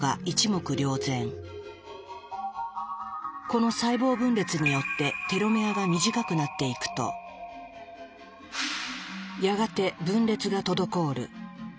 この細胞分裂によってテロメアが短くなっていくとやがて分裂が滞る。